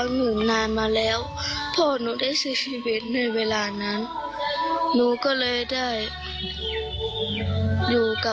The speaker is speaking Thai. หนูก็สิโครกพ่อคนนี้แต่รักพ่ออีกครั้ง